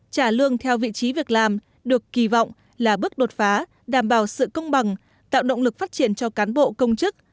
trả lương theo vị trí việc làm được kỳ vọng là bước đột phá đảm bảo sự công bằng tạo động lực phát triển cho cán bộ công chức